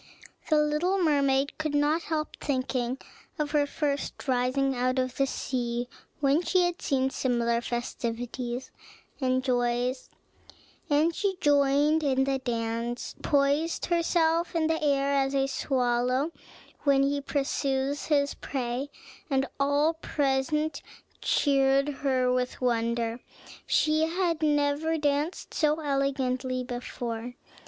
The little mermaid could not help thinking of her first rising out of the sea, when she had seen similar festivities and joys; and she joined in the dance, poised herself in the air as a swallow when he pursues his prey, and all present cheered her with wonder. She had never danced so elegantly before.